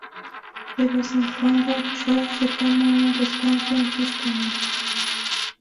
De vez en cuando, Chow se toma un descanso en sus comedias.